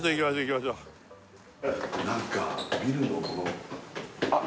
何かビルのこのあっ